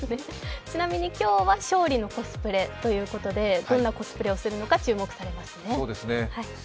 ちなみに、今日は勝利のコスプレということで、どんなコスプレをするのか注目されますね。